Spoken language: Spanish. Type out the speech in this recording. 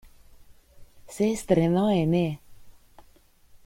Se estrenó en E!